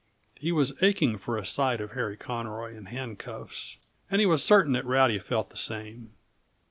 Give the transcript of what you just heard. He was aching for a sight of Harry Conroy in handcuffs, and he was certain that Rowdy felt the same.